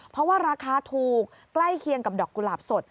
เพราะว่าราคาถูกใกล้เคียงกับดอกกุหลาบสด